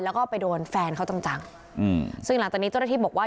แล้วก็ไปโดนแฟนเขาจังจังอืมซึ่งหลังจากนี้เจ้าหน้าที่บอกว่า